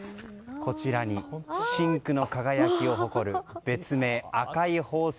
こちらに真紅の輝きを誇る別名、赤い宝石。